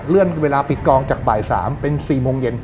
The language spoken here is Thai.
เลื่อนเวลาปิดกองจากบ่ายสามเป็นสี่โมงเย็น